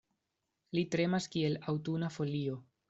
Li tremas kiel aŭtuna folio.